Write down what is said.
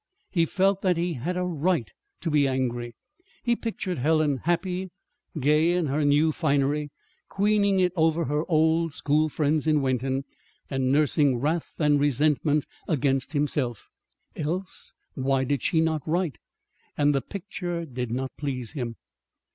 He felt that he had a right to be angry. He pictured Helen happy, gay in her new finery, queening it over her old school friends in Wenton, and nursing wrath and resentment against himself (else why did she not write?) and the picture did not please him.